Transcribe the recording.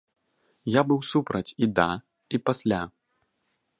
Я быў супраць і да, і пасля.